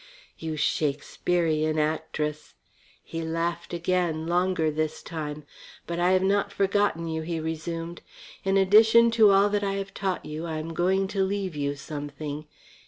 "You Shakespearian actress!" He laughed again, longer this time. "But I have not forgotten you," he resumed. "In addition to all that I have taught you, I am going to leave you something.